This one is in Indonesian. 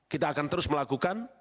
kita akan terus melakukan